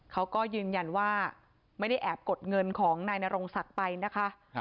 เขาก็ยืนยันว่าไม่ได้แอบกดเงินของนายนรงศักดิ์ไปนะคะ